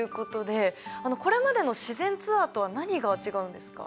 これまでの自然ツアーとは何が違うんですか？